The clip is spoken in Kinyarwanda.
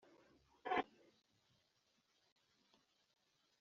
Yarababwiye ati «Mujye mwirinda ubuhemu ubwo ari bwo bwose»,